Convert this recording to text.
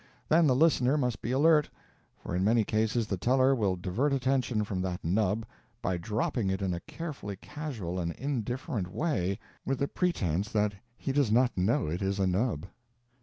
Then the listener must be alert, for in many cases the teller will divert attention from that nub by dropping it in a carefully casual and indifferent way, with the pretense that he does not know it is a nub.